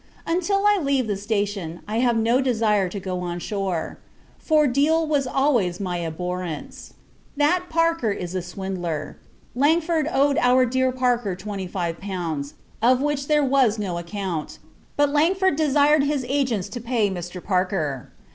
Until I leave the station, I have no desire to go on shore; for, Deal was always my abhorrence. That Parker is a swindler. Langford owed our dear Parker twenty five pounds, of which there was no account; but Langford desired his agents to pay Mr. Parker.